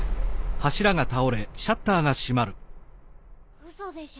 うそでしょ？